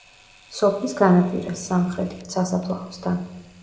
სოფლის განაპირას, სამხრეთით, სასაფლაოსთან.